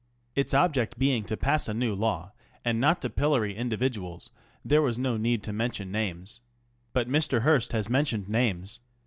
Its object being to pass a new law, and not to pillory individuals, there was no need to mention names. But Mr. Hearst has mentioned names.